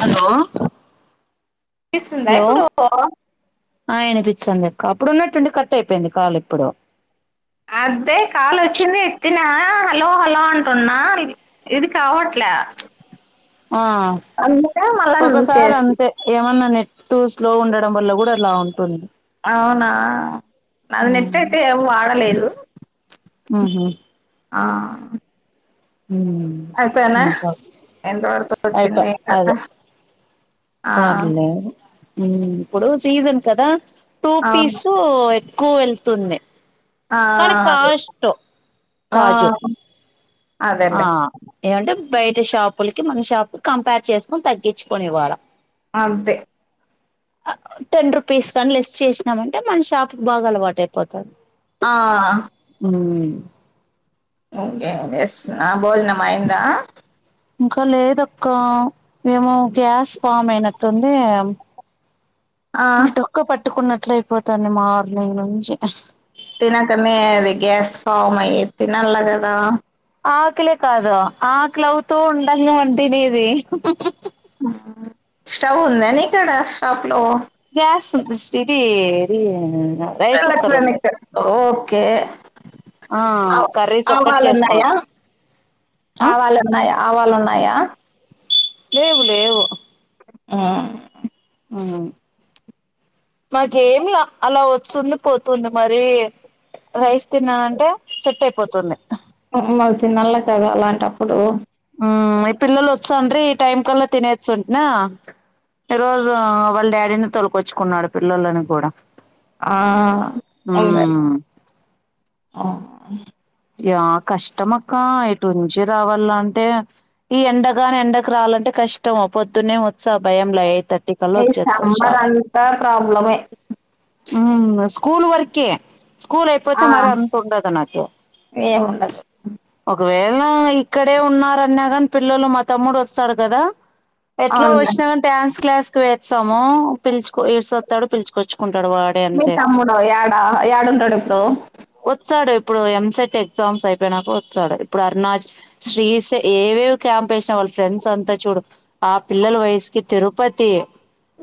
Hello పిస్తుందా hello ఇప్పుడు ఆ వినిపిత్తుంది అప్పుడున్నట్టుండి కట్ అయిపోయింది కాల్ ఇప్పుడు అదే కాల్ వచ్చింది ఎత్తినా హలో హలో అంటున్నా ఇది కావట్లే ఆ అందుకే మళ్ళా నువ్వు ఒకసారి చేస్తి అంతే ఏమన్నా నే టూస్లో ఉండడం వల్ల కూడా అలా అవుతుంది అవునా అది నెట్ అయితే ఏమ్ వాడలేదు దు ఆ ఆ అయిపోయినా ఇంకా ఎంతవరకు వచ్చింది. ఆ పర్లే ఊ ఇప్పుడు సీజన్ కదా టూ అవును పిస్ఊ ఎక్కువ వెళ్తుంది ఆ కానీ కాస్ట్ ఆ అదే ఆ కాజు ఆ అదేలే ఏంట బయట షాప్ లికి మన షాప్ కంపేర్ చేసుకొని తగ్గించుకొని ఇవ్వాల అంతే టెన్ రుపీస్ కానీ లెస్ చేసినామంటే మన షాప్ బాగా అలవాటు అయిపోతుంది ఆ హ్మ్ కే ఎస్ నా భోజన అయందా ఇంకా లేదక్క మేమో గ్యాస్ ఫామ్ అయినట్టుంది ఆ అటొక పట్ పెట్టుకున్నట్లు అయిపోతుంది మార్నింగ్ నుంచి తినకనే అది గ్యాస్ ఫామ్ అయ్య తినలా కదా ఆకలే కాదు ఆకలి అవుతూ ఉండంగా వ తినది హు హు హు స్టౌవ్ ఉందా నీ కడ షాప్‌లో గ్యాస్ ఉస్ ఇది ఇది రైస్ ల కుక్కర్ క్ల ఉంది ఓ కే ఆ కర్రీస్ ఒక్కటి అవాలన్నాయా చేసుకోనొచ్చు ఆ ఆవాలన్నాయా ఆవాలుఉన్నాయి అయా లేవు లేవు ఉమ్ ఉమ్ మాకేంలా అలా వస్తుంది పోతుంది మరి రైస్ తిన్నానంటే సెట్ అయిపోతుంది ఉమ్ మల్ల తిన్నాల కదా అలాంటప్పుడు హ్మ్ ఈ పిల్లలు వచ్చాండీరి ఈ టైం కల్లా తినేచ్చుంటనా ఈ రోజు వాళ్ళ డాడీని తొలకొచ్చుకున్నాడు పిల్లలని కూడా ఆ ఎంత మ్మ్ ఆ యా కష్టం అక్క ఇటుంచి రావాల అంటే ఈ ఎండగాని ఎండకు రాాలంటే కష్టం పొద్దునే వచ్చా భయం ఎయిట్ థర్టీ కల్లా ఏ వచ్చేస్తా సమ్మర్ షాప్ అంతా ప్రాబ్లమే కూల్ వర్కే స్కూల్ అయిపోతే ఆ మరి అంత ఉండదు నాతో ఏముండదు వేలా ఇక్కడే ఉన్నారన్నాగాని పిల్లలు మా తమ్ముడు వస్తాడు కదా ఎట్లా అవునులే వచ్చినా డ్యాన్స్ క్లాస్ వేస్తాము పిలుచుకో వేశోస్తాడు పిలుచుొచ్చుకుం మీ తమ్ముడు యాడా యాడు ఉంటాడు ఇప్పుడు సాడు ఇప్పుడు ఎంసెట్ ఎగ్జామ్స్ అయిపోయినాక వస్తాడు ఇప్పుడు అరుణాచ శ్రీస్ ఏవే క్యాంప్ వేసినా వాళ్ళ ఫ్రెండ్స్ అంతా చూడు ఆ పిల్లల వయసుకి తిరుపతి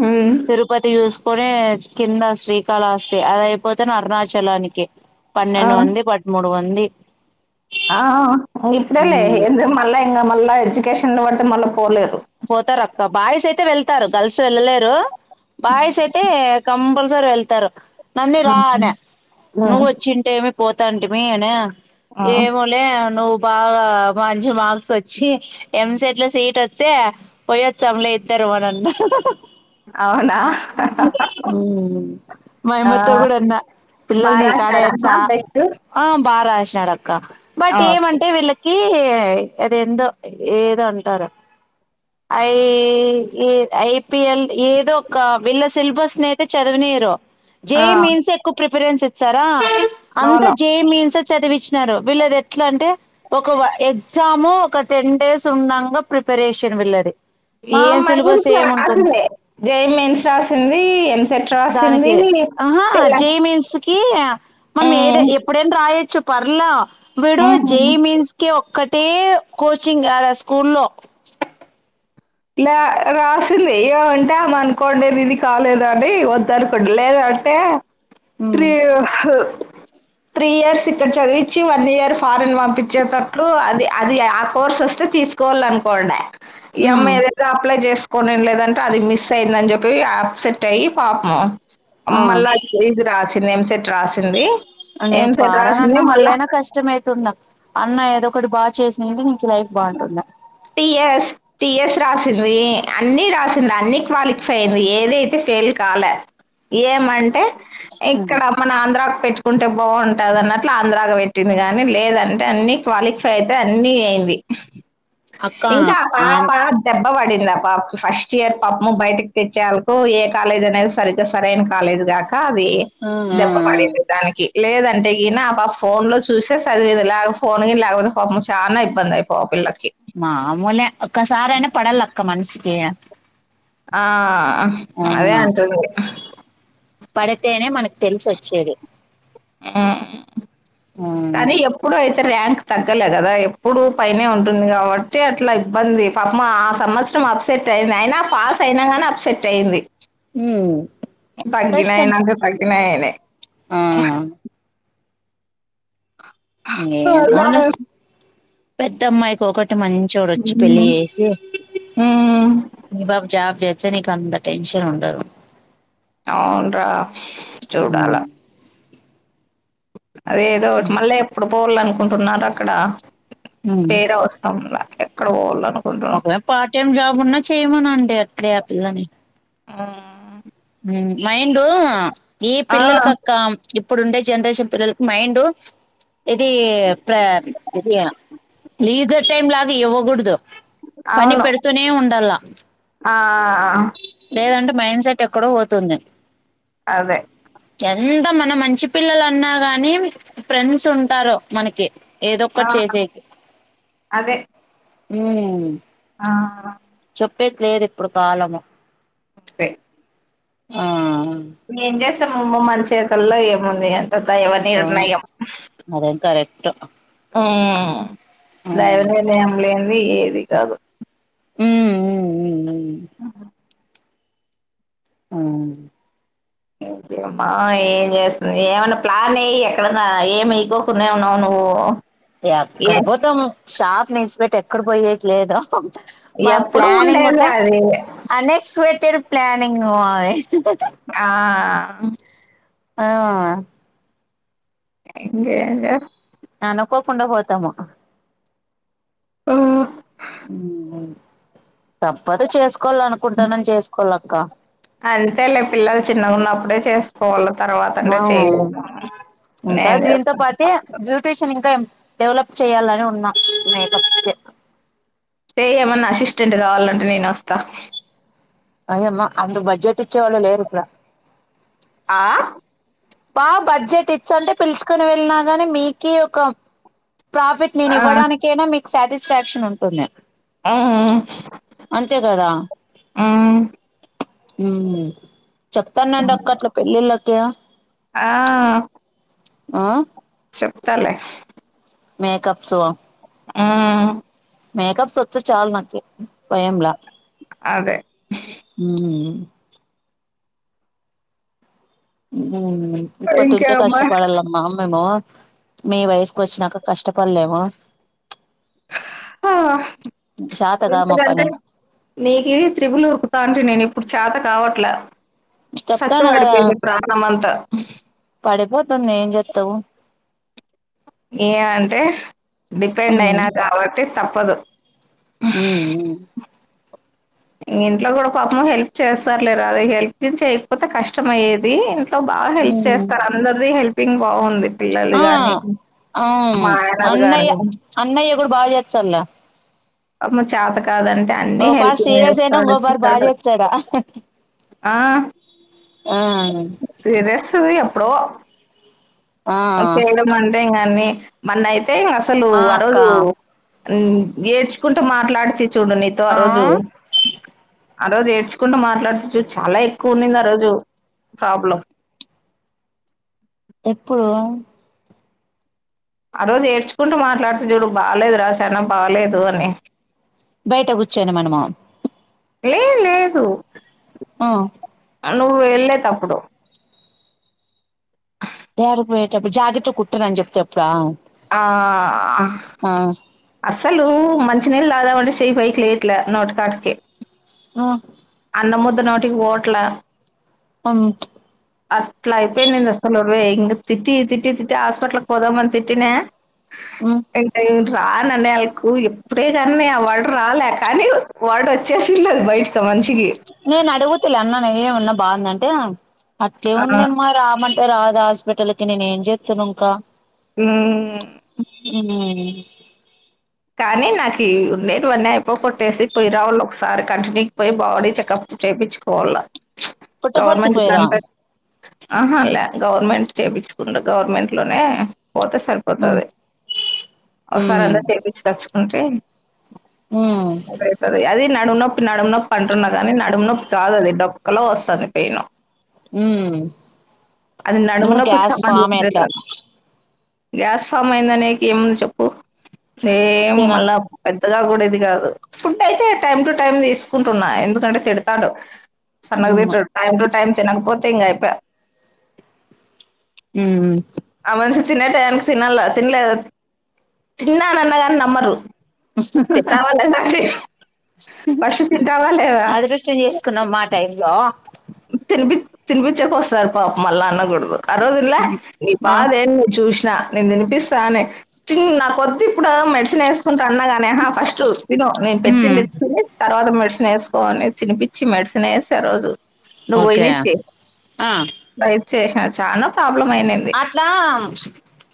హ్మ్. తిరుపతి‌ చూస్ [inaudible] కింద శ్రీకాళాస్తి అదియిపోతేనే అరుణాచలానికి పన్నెండు మంది పదమూడు మంది అండి ఆ ఆ ఇ ఇప్పుడేలే ఎందో మళ్ళ ఇంగ మళ్ళీ ఎడ్యుకేషన్ లో పడితే మళ్ళా పోలేరు పోతారు అక్క బాయ్స్ అయితే వెళ్తారు గర్ల్స్ వెళ్ళలేరు బాయస్ అయితే కంబల్ [inaudible] వెళ్తారు నన్ని ఆహా రా అనే ఉమ్ నువ్వు వచ్చింటేమి పోతాంటిమీ అనా ఆ ఏమో లే నువ్ బాగా మంచి మార్క్స్ వచ్చి ఎంసెట్ల సీట్ వ సే పోయ్య వచ్చాములే ఇద్దరుము అన్న అవునా హ్మ్ ఆ మాయామతో కూడాన్నా పిల్లలనికాడే మహారాష్ట్రనా ఏచ్చా బెస్ట్ ఆ బా రాశినడ ఆ బట్ ఏమంటే వీళ్ళకి అది ఎందో ఏదో అంటారు అయి అయి పి ల్ ఎదో వీలా సెలబస్ నె చదవ నియరు జె ఆ ఈ మైన్స్ ఏ ఎక్కువ ప్రీ ఎక్పీరియన్స్ ఇచ్చారా అంతా అవును జే ఈ మైన్స్ చదివిి వీళ్ళది ఎట్లా అంటే ఒక ఎగ్జామ్ ఒక టెన్ డేస్ ఉన్నాగ ప్రిపరేషన్ [unintelligible] మా ఏం అమ్మయి సిలబస్ కుడించి ఏముంటుంది రాసింది జె ఈ మైన్స్ రాసింది ఎంసెంట్ దానికి ఆహా జె ఈ మైన్స్ కి మనం ఏద ఉమ్ ఎప్పుడైనా రాయొచ్చు పర్లా వీడు జె ఉమ్ ఈ మైన్స్ కి ఒక్కటి టి కోచింగ్ యడ స్కూల్ లో లే రాసింది ఏమంటే అనుకోండేది ఇది కాలేదండి వద్దనుకుంన లేదంటే ఉమ్ ట్రీ త్రీ ఇయర్స్ ఇక్కడ చదివించి వన్ ఇయర్ ఫారెన్ పంపించేటట్టు అది అది ఆ కోర్స్ వస్తే తీసుకోవాల అనుకోండే ఆమె ఉమ్ ఎందేత అప్లైచెస్ కొనిం లేదంటే అది మిస్ అయిందని చెప్పి అప్సెట్ అయ్యి పాపము ఆ అమల్ల ఇది రాశి తిను ఎం సెట్ రాసింది నేను ఎంసెట్ ఫారాన్ రాసింది అన్నా మళ్ళా మళ్ళఅయినా కష్టం ఐతున్న అన్న ఏదో ఇప్పుడు బా చేసినంటే ని టి యస్ టి యస్ రాసిం వె అన్ని రాసింది అన్ని క్వాలిఫై అయింది ఏదైతే ఫెయిల్ కాలె ఏమంటే ఎక్కడ మన ఆంధ్ర పెట్టుకుంటే బాగుంటది అన్నట్లు ఆంధ్రాగా పెట్టింది గాని లేదంటే అన్ని క్వాలిఫై అయితే అన్ని అయింది అక్క ఇంకా ప ఆన్ ప దేబ్ పాప పడింద ఆపాపకు ఫస్ట్ ఇయర్ పాపము బయటికి తెచ్చేందుకు ఏ కాలేజ్ అనేది సరిగ్గా సరైన కాలేజీ కాక అది ఆ ఆ దెబ్బ పడింది దానికి లేదంటే ఈన ఆ పాప ఫోన్ లో చూసే చదివింది లేక ఫోన్ గిన లేకపోతే పాపం చానా ఇబ్బంది అయి పో పిల్లకి మామూలే ఒక్కసారి అయినా పడాలక్క మని కీయ ఆ ఆహా అదే అంటది తెలిసొచ్చేది ఆ కానీ ఎప్పుడు అయితే ర్యాంక్ తగ్గలే కదా ఎప్పుడు పైనే ఉంటుంది కాబట్టి అట్లా ఇబ్బంది పాపం ఆ సంవత్సరం అప్సెట్ అయింది అయినా పాస్ అయినా కానీ అప్సెట్ అయింది. హ్మ్ బగ్గినయనా అంటే బగ్గినయనే ఆ ఏమో అలా లే పెద్దమ్మాయికి ఒక అంటే మంచొడొచ్చి పెళ్లి హ్మ్. చేసి హ్మ్. ఈ బాబు జాబ్ చేస్ అయితే నీకు అంత టెన్షన్ ఉండదు, అవున్రా చూడాల ఉమ్ అదే ఏదో మళ్ళీ ఎప్పుడు పోవాల అనుకో కుంటున్నారు అక్కడ ఉమ్ పేరు అవసరంలే ఎక్కడబోవలా ఒకవేళ పార్ట్ టైమ్ జాబ్ ఉన్నా చేయమనండి అట్లే ఆ పిల్లని హుమ్ హ్మ్ మైండు ఈ ఆ! పిల్లలకు అక్క ఇప్పుడు ఉండే జనరేషన్ పిల్లలకి మైండ్ ఇది ప్ర ఇది లీజర్ టైమ్ లాగా ఇవ్వకూడదు, పని అవును. పెడుతూనే ఉండాల ఆ! లేదంటే మైండ్ సెట్ ఎక్కడో పోతుంది అదే అంత మన మంచి పిల్లలు అన్నా గాని ఫ్రెండ్స్ ఉంటారు మనకి ఏదొక్కటి ఆ! చేసేకి అదే ఉ ఆ చెప్పేది లేదు ఇప్పుడు కాలము తే ఆ మీరు ఏంచేస్ స్తం మన చేతుల్లో ఏముంది అని ంత దైవ అబ్బా నిర్ణయం [inaudible] ఆ దైవ మ్మ్ నిర్ణయం లేంది. ఏది అది. కాదు ఉమ్ ఉ అవును. మ్మా ఏం చేస్తుంది. ఏమైన్నా ప్లాన్ ఏయ్యి ఎక్కడన్నా ఏమి వేయకుండానే ఉన్నావా నువ్వు. ఏ ఎక్కడికి పోతాము. షాప్ ని విడిసిపెట్టి ఎక్కడ పోయేట్లేద మా ఎప్పుడు ప్లానింగ్ ఉండేది ఉన్నా. అది ఆ నెక్స్ట్ వెట్ తిరు ప్లానింగ్ ఆ ఆ ఇంకా ఇంకా కోకుండా పోతాము. తప్పదు చేసుకో కోవాలనుకుంటానం. చేసుకోవాల ఇంకా అంతే లే పిల్లలు చిన్నగా ఉన్నప్పుడే చేసుకోవాలి. ఆ ఇంకా నేను దీంతో పాటే చేస్తాను బ్యూటీషన్ ఇంకా. డెవలప్ చేయాలని ఉన్నా. మేకప్ చెయ్ ఏమన్నా అసిస్టెంట్ కావాలంటే నేను వస్తా. ఓయమ్మా అంత బడ్జెట్ ఇచ్చేవాళ్లు లేరు. ఇక్కడ ఆ బా బడ్జెట్ ఇచ్చంటే పిలుచుకొని వెళ్ళినా గాని మీకే ఒక ప్రాఫిట్ నేను ఆ ఇవ్వడానికైనా మీ సాటిస్ఫాక్షన్ ఉంటుంది. ఆ అంతే కదా. ఆ మ్మ్మ్మ్ చెప్తానండి. అక్క అట్ల పెళ్లిళ్ళకి క్య ఆ ఆ చెప్తాలే. మేకప్స్ ఆ మేకప్స్. వచ్చు చాలు నాకు స్వయంలా అదే హు ఉమ్ ఇప్పటి నుంచె ఇంకేమ్మా కష్టపడాలమ్మా మేము మీ వయసుకు వచ్చినాక కష్టపడలేము హ శాతగా మా పని ఎంతకంటే నీకు త్రిపులు ఉరుకుతా అంటడి నేను ఇప్పుడు చేత కావట్ ట్లా చెప్తాను సంకవాడి పింది ప్రాణమంతా పడి పో తుంది ఏం చెత్తావు ఏ అంటే డిపెండ్ అయినా కాబట్టి తప్పు పదు హ్మ్ మ్మ్ ఇంట్లో కూడా పాపం హెల్ప్ చేస్తారు లేరా అది హెల్పింగ్ చేయకపోతే కష్టం అయేది అంతా బాగ హెల్ప్ ఉమ్ చేస్తారు అందరిది హెల్ప్ పిన్ బావుంది ఆ ఆ ఆయనది అన్నయ్య గాని అన్నయ్య కూడా బా చేచ్చలే అమ చాత కాదంటే అన్ని హెల్ప్ చేయస్ అనా ఇంగొ బారి బాగా చేస్తాడా ఆ ఆ సీరియస్ ఎప్పుడో ఆ అప్పేయడం అంటే ఇంగాన్ని మనన్నాయి తే అసలు ఆ అక్క అరడు ఏడ్చుకుంటూ మాట్లాడుతి చూడు నీతో ఆ రోజు ఎ ఆ రోజు ఏడ్చుకుంటూ మాట్లాడతుచ్చు చాలా ఎక్కువ ఉన్నింది ఆ రోజు ప్రాబ్లం ఎప్పుడు ఆ రోజు ఏడ్చుకుంటూ మాట్లాడుతే చూడు బాగాలేదురా సనా బాగాలేదు అని బయట కూర్చాను మనము లే లేదు ఆ నువ్వు వెళ్ళేటప్పుడు ఎర పోయేటప్పుడు జాకెట్లు కుట్టారని చెప్తే చెప్పురా ఆ అస్సలు మంచినీళ్ళ కదా వాడు చెయ్యి పైకి లేవట్లే నోట్ కాడికి ఆ అన్న ముద్ద నోటికి పోవట్లే ఉమ్ అట్లా అయిపోయిందింది అసలు వే ఇం తిట్టి తిట్టి తిట్టి హాస్పిటల్ పోదమ తిట్న ఉమ్ ఎంటై రాననే వాళ్ళకు ఎప్పుడే కానీ ఆ వార్డ్ రాలే కానీ వార్డ్ వచ్చేసి అది బయటకి మంచి నేను అడగుత అన్ననే ఏ ఉన్నా బాగుందంటే అట్టే ఆ ఉందమ్మా రామ రాదు హాస్పిటల్ కి నేను ఏం చేపన్నా ఇంకా ఉమ్ ఉ కానీ నాకు లేేనువన్నీ అయిపో కొట్టేసి పొయ రావళ్ళు ఒకసారి కంటిన్యూకి పోయి బాడీ చెకప్ చేయిించుకోవాలి పుట్టపర్తికి గవర్మెంట్ పోయిరా క ఆహా అ గవ గవర్నమెంట్ చేయిించుకుం గవర్నమెంట్ లోనే పోతే ఉమ్ సరిపోతది అసార్ అంద ఉమ్ తెచ్చుకుంటే ఉమ్ అదైతది అది నా నడుము నొప్పి నడుము నొప్పి అంటున్నా గాని నడుము నొప్పి కాదు అది డొక్కలో వస్తంది పెయిను మ్మ్ అది నడుము ఏమన్న నొప్పికి గ్యాస్ సంబంధించింది ఫార్మేట్లా కాదు గ్యాస్ ఫామ్ అయిందనేకి ఏముంది చెప్పు సేమ్ తినక్ మళ్ళా పెద్దగా కూడా అది కాదు ఫుడ్ అయితే టైమ్ టు టైమ్ తీసుకుంటున్నా ఎందుకంటే తిడతాడు సన్నగ ఉమ్ బీట్రూట్ టైం టు టైం నాకు పోతే ఇంక అయిపోయే మ్మ్ మ్మ్ ఆ మనిషి తినే టయ్యానికి తినల్ల తినలేదు తిన్నానన్నగారి నమ్మరు తింటావా లేదా అని ఫస్ట్ తింటావా లేదా అదృష్టం చేసుకున్నాం మా టైమ్ లో తినిపి తినిపించకి వస్తారు పాపం మళ్ళా అన్నకూడదు ఆ రోజు ఉండ్ల ఈ ఆ బాదేం మేమ్ చూస్ నా నేను తినిపిస్తానే చి నా కొద్ ఇప్ ప్పుడ మెడిసిన్ వేసుకుంటా అన్నాగానే ఆహా ఫస్ట్ తను నేను ఉమ్ పెట్టి తర్వాత మ డిన్ వేసుకోవాలే తినిపిచ్చి మెడిసిన్ వేసా ఆ రోజు నువ్వు ఓకే పోయినిచ్చి ఆ రైస్ చేశా చాలా ఫామ్ అట్లా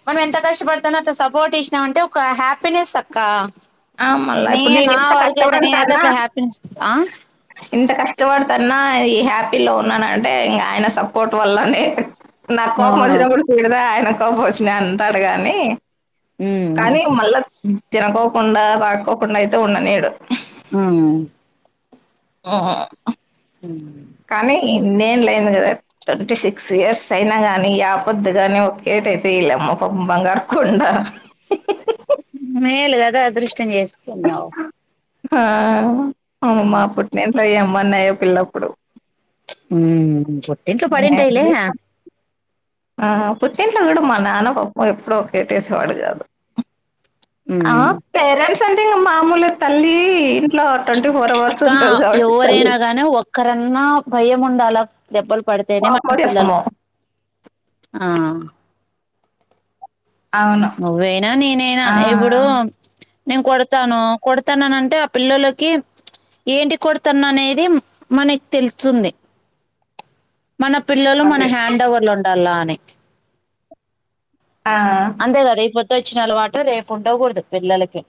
మనం ఎంత [unintelligible] కష్టపడతాను అంటే, సపోర్ట్ ఇచ్చినం అంటే ఒక హ్యాపీనెస్ అక్క ఆ మల్లా నే ఇప్పుడు నిను నా ఇంత వరకైతే నేనైతే కష్టపడతన్నా అట్లా హ్యాపీనెస్ ఆ ఇంత కష్టపడ తన్నా ఈ హ్యాపీ లో ఉన్నానంటే ఇంగ ఆయన సప్పో పోట్ వల్లనె నాకు ఆ కోపం వచ్చినప్పుడు తిడుతా ఆయనే ప్రభోజని అంటాడు గాని. ఉమ్ కానీ మళ్ల తినకొక్ కుండా పడుకోకుండా అయితే ఉండనీడు అవున ఆ మ్మ్ ఇన్ని ఏండ్లు అయ్యింది కదా ట్వంటీ సిక్స్ ఇయర్స్ అయినా గాని యాపొద్దే గాని ఒక్కేటయితే లే మ్మ పాపం బంగారుకొండ. మెల్ కదా అదృష్. ష్టం చేసుకున్నావు ఆ అమ్మను మా పుట్టిన్ల్ నేమ్ నయ్యం మొన్నయ్యను పెళ్ళప్పుడు. హ్మ్ హు పుట్టింట్లో పడింటాయిలే ఆ పుట్టింట్లో కూడా మా నాన్న పాపం ఎప్పుడో ఒకటేసేవాడు కాదు. ఆ ఉమ్ పేరెంట్స్. అంటే మాములుగా తల్లీ ఇంట్లో. ట్వంటీ ఫోర్ అవర్స్ అక్క ఉంటది కాబట్టి తల్లి ఎవరైనా గానీ ఒక్కరన్నా భయ్యము ఉండాలా. దెబ్బలు పడితేనే కోపం మనపిల్లలు వచ్చేస్తాము ఆ అవును నువ్వైనా నేనైనా ఆ ఇప్పుడు. నేను కొడతాను కొడతానన అంటే ఆ పిల్లలకి ఏంటి కొడతాను అనేది మనకి తెలుస్తుంది మన పిల్లలు మన అదే హ్యాండ్ఓవర్ లో ఉం అలానే ఆ అంతే కద ఇప్ తెచ్చిన అలవాటు రేపు ఉండకూడదు పిల్లలకి